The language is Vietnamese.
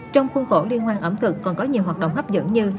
trong khuôn khổ liên hoan ẩm thực còn có nhiều hoạt động hấp dẫn như